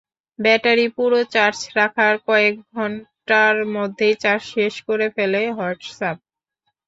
Battery পুরো charge রাখার কয়েক ঘণ্টার মধ্যেই চার্জ শেষ করে ফেলে হোয়াটসঅ্যাপ।